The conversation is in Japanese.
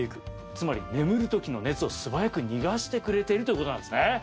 つまり眠る時の熱を素早く逃がしてくれているということなんですね。